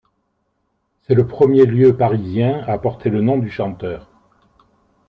C'est le premier lieu parisien à porter le nom du chanteur.